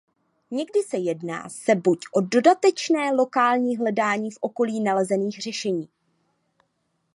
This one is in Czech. Někdy se jedná se buď o dodatečné lokální hledání v okolí nalezených řešení.